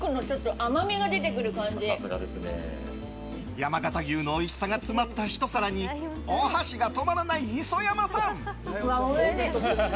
山形牛のおいしさが詰まったひと皿にお箸が止まらない磯山さん。